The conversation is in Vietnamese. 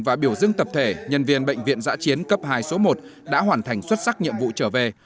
và biểu dương tập thể nhân viên bệnh viện giã chiến cấp hai số một đã hoàn thành xuất sắc nhiệm vụ trở về